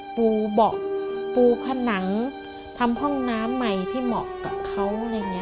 ปูเบาะปูผนังทำห้องน้ำใหม่ที่เหมาะกับเขา